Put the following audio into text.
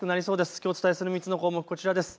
きょうお伝えする３つの項目、こちらです。